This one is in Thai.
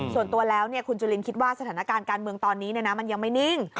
ส่วนตัวแล้วคุณจุลินคิดว่าสถานการณ์การเมืองตอนนี้มันยังไม่นิ่ง